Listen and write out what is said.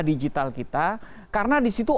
digital kita karena di situ